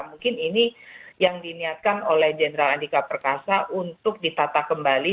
mungkin ini yang diniatkan oleh jenderal andika perkasa untuk ditata kembali